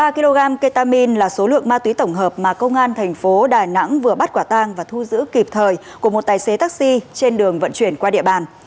ba kg ketamin là số lượng ma túy tổng hợp mà công an thành phố đà nẵng vừa bắt quả tang và thu giữ kịp thời của một tài xế taxi trên đường vận chuyển qua địa bàn